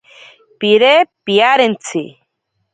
Pire piarentsi.